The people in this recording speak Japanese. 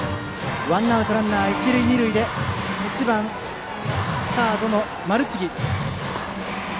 ワンアウトランナー、一塁二塁でバッターは１番サード、丸次。